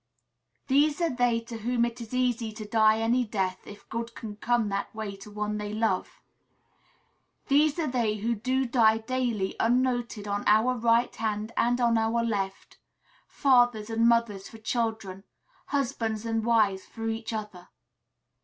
These are they to whom it is easy to die any death, if good can come that way to one they love. These are they who do die daily unnoted on our right hand and on our left, fathers and mothers for children, husbands and wives for each other.